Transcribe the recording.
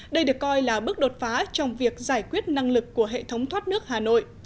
đây được coi là bước đột phá trong việc giải quyết năng lực của hệ thống thoát nước hà nội